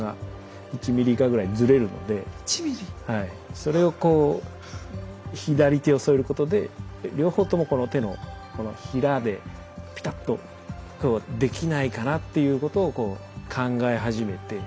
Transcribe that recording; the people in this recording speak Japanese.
それをこう左手を添えることで両方ともこの手のひらでぴたっとこうできないかなっていうことをこう考え始めて。